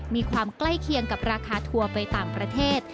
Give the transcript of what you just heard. มีความใกล้เคียงกับราคาทัวร์ไปต่างประเทศ